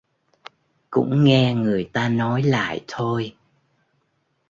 Cũng nghe người ta nói lại thôi